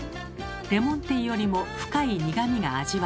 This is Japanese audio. レモンティーよりも深い苦みが味わえ